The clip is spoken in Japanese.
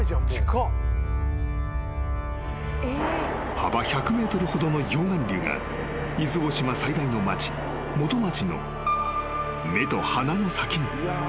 ［幅１００ｍほどの溶岩流が伊豆大島最大の町元町の目と鼻の先に］